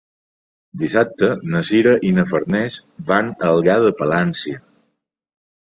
Dissabte na Sira i na Farners van a Algar de Palància.